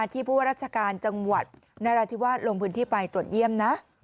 ผู้ว่าราชการจังหวัดนราธิวาสลงพื้นที่ไปตรวจเยี่ยมนะ